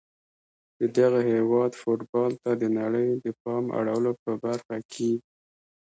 د دغه هیواد فوټبال ته د نړۍ د پام اړولو په برخه کي